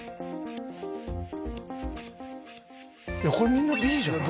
みんなＢじゃない？